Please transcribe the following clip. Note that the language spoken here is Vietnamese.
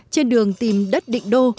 trên đường tìm đất định đô